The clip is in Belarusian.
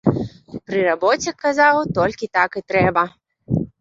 Пры рабоце, казаў, толькі так і трэба.